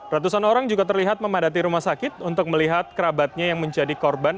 ratusan orang juga terlihat memadati rumah sakit untuk melihat kerabatnya yang menjadi korban